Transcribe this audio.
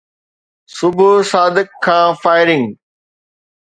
صبح صادق کان فائرنگ